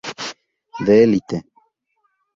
The Elite.